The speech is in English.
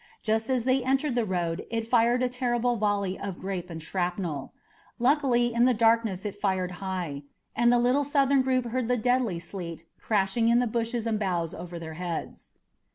Just as they entered the road it fired a terrible volley of grape and shrapnel. Luckily in the darkness it fired high, and the little Southern group heard the deadly sleet crashing in the bushes and boughs over their heads.